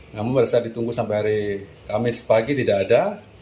namun pada saat ditunggu sampai hari kamis pagi tidak ada